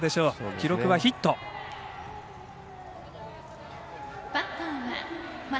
記録はヒット。